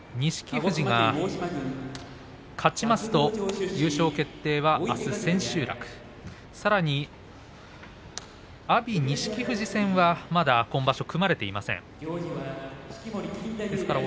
富士が勝ちますと優勝決定はあす千秋楽さらに阿炎、錦富士戦はまだ今場所組まれていません。